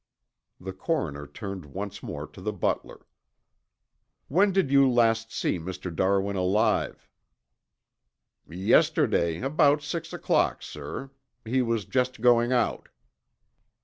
The coroner turned once more to the butler. "When did you last see Mr. Darwin alive?" "Yesterday about six o'clock, sir. He was just going out."